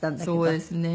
そうですね。